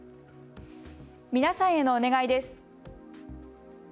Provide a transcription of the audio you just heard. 皆さんへのお願いです。